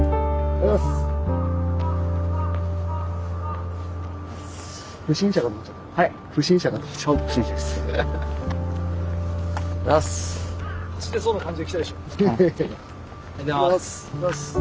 おはようございます。